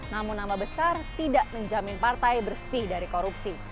namun nama besar tidak menjamin partai bersih dari korupsi